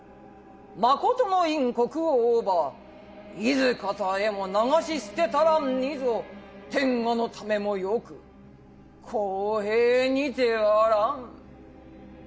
誠の院・国王をば何方へも流し捨てたらんにぞ天下のためも能く公平にてあらん」。